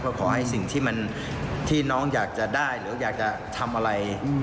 ก็ขอให้สิ่งที่น้องอยากจะได้หรืออยากจะทำอะไร